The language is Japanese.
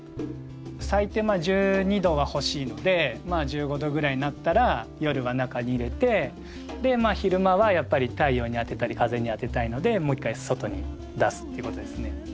最低１２℃は欲しいのでまあ１５℃ぐらいになったら夜は中に入れてでまあ昼間はやっぱり太陽に当てたり風に当てたいのでもう一回外に出すっていうことですね。